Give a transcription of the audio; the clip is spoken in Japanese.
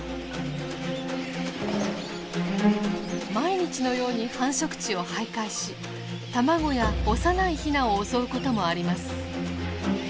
毎日のように繁殖地を徘徊し卵や幼いヒナを襲うこともあります。